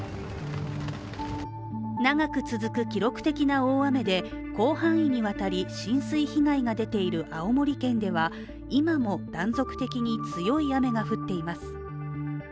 長く続く記録的な大雨で、広範囲にわたり浸水被害が出ている青森県では今も断続的に強い雨が降っています。